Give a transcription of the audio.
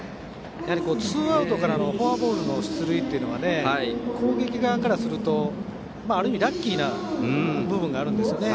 ツーアウトからのフォアボールの出塁というのが攻撃側からするとある意味、ラッキーな部分があるんですよね。